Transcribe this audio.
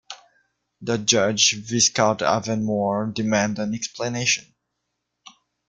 The judge, Viscount Avonmore, demanded an explanation.